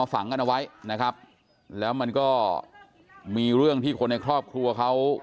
ฝังกันเอาไว้นะครับแล้วมันก็มีเรื่องที่คนในครอบครัวเขา